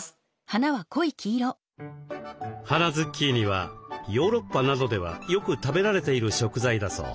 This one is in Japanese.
花ズッキーニはヨーロッパなどではよく食べられている食材だそう。